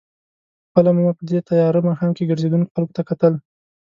خپله به مو په دې تېاره ماښام کې ګرځېدونکو خلکو ته کتل.